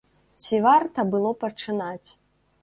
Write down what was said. Ці варта было пачынаць?